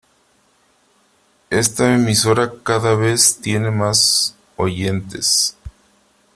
Esta emisora cada vez tiene más oyentes.